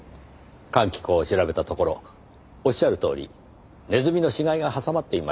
換気口を調べたところおっしゃるとおりネズミの死骸が挟まっていました。